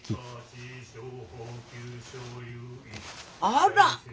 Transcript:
あら！